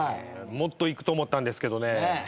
もっといくと思ったんですけどね。